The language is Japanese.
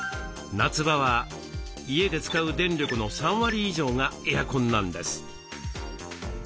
夏場は家で使う電力の３割以上がエアコンなんです。